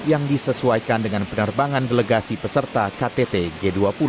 yang disesuaikan dengan penerbangan delegasi peserta ktt g dua puluh